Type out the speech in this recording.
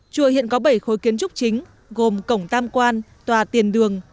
chùa hiện có bảy khối kiến trúc chính gồm cổng tam quan tòa tiền đường